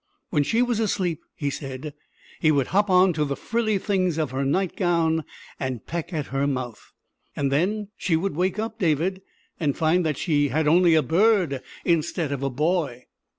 When she was asleep, he said, he would hop on to the frilly things of her night gown and peck at her mouth. "And then she would wake up, David, and find that she had only a bird instead of a boy."